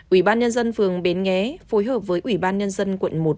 ủy ban nhân dân phường bến nghé phối hợp với ủy ban nhân dân quận một